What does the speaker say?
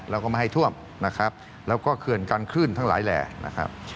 แล้วก็ไม่ให้ท่วมนะครับแล้วก็เขื่อนกันคลื่นทั้งหลายแหล่นะครับ